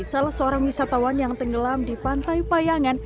salah seorang wisatawan yang tenggelam di pantai payangan